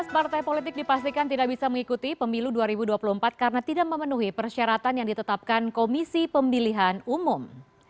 tujuh belas partai politik dipastikan tidak bisa mengikuti pemilu dua ribu dua puluh empat karena tidak memenuhi persyaratan yang ditetapkan komisi pemilihan umum